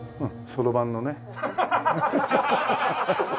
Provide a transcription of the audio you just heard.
そろばんのね。